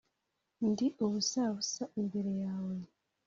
ndi ubusabusa imbere yawe